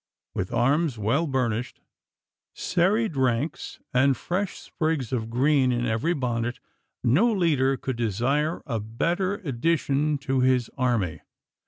With arms well burnished, serried ranks, and fresh sprigs of green in every bonnet, no leader could desire a better addition to his army.